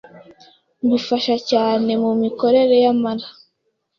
ngo ifasha cyane mu mikorere y’amara